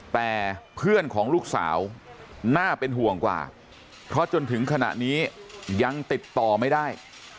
แต่เพื่อนของลูกสาวน่าเป็นห่วงกว่าเพราะจนถึงขณะนี้ยังติดต่อไม่ได้